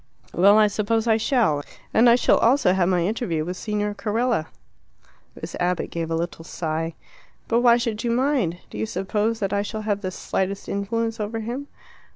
"Well, I suppose I shall. And I shall also have my interview with Signor Carella." Miss Abbott gave a little sigh. "But why should you mind? Do you suppose that I shall have the slightest influence over him?"